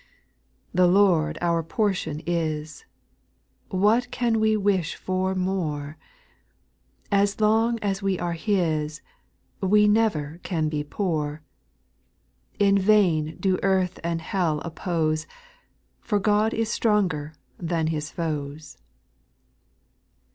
8. The Lord our portion is. What can we wish for more ? As long as we are His, We never can be poor : In vain do earth and hell oppose, For God is stron^jer than His foes.